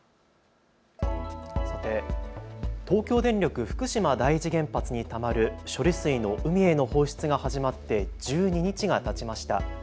さて、東京電力福島第一原発にたまる処理水の海への放出が始まって１２日がたちました。